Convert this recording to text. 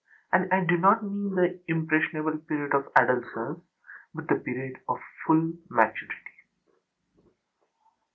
And I do not mean the impressionable period of adolescence, but the period of full maturity.